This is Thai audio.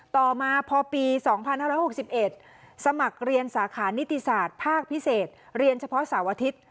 ต่อมาพอปี๒๕๖๑สมัครเรียนสาขานิติศาสตร์ภาคพิเศษเรียนเฉพาะเสาร์อาทิตย์